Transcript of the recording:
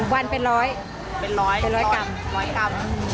วันเป็นร้อยกรัม